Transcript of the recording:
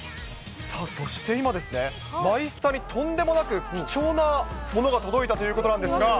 さあ、そして今ですね、マイスタにとんでもなく貴重なものが届いたということなんですが。